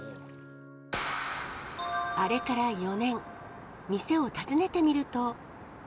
あれから４年、店を訪ねてみると。